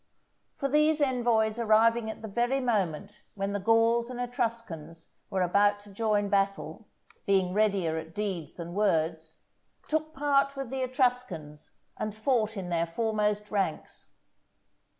For these envoys arriving at the very moment when the Gauls and Etruscans were about to join battle, being readier at deeds than words, took part with the Etruscans and fought in their foremost ranks.